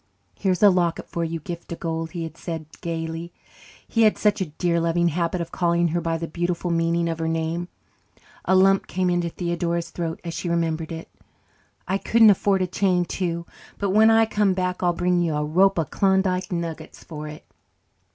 "Here's a locket for you, Gift o' God," he had said gaily he had such a dear loving habit of calling her by the beautiful meaning of her name. A lump came into Theodora's throat as she remembered it. "I couldn't afford a chain too, but when I come back I'll bring you a rope of Klondike nuggets for it."